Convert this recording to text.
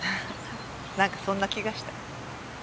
なんかそんな気がした。